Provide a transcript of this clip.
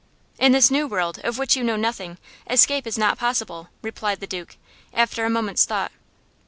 "In this new world, of which you know nothing, escape is not possible," replied the duke, after a moment's thought.